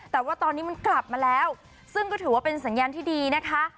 แต่ว่าตอนนี้มันกลับมาแล้วซึ่งก็ถือว่าเป็นสัญญาณที่ดีนะคะ